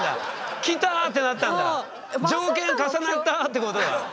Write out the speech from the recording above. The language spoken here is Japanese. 条件重なったってことだ。